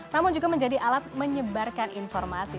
namun juga menjadi alat menyebarkan informasi